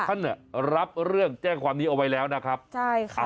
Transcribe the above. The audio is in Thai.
ท่านเนี่ยรับเรื่องแจ้งความนี้เอาไว้แล้วนะครับใช่ค่ะ